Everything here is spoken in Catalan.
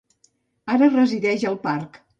Ara resideix al parc.